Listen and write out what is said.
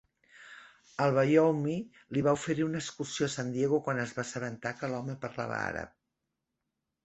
Al-Bayoumi li va oferir una excursió a San Diego quan es va assabentar que l"home parlava àrab.